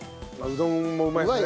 うどんもうまいですね。